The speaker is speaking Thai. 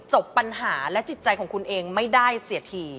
จบปัญหาและจิตใจของคุณเองไม่ได้เสียที